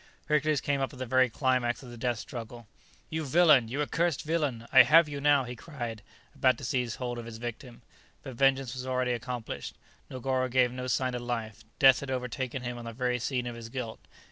Hercules came up at the very climax of the death struggle. "You villain! you accursed villain! I have you now!" he cried, about to seize hold of his victim. But vengeance was already accomplished. Negoro gave no sign of life; death had overtaken him on the very scene of his guilt.